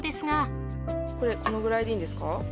このぐらいでいいんですか？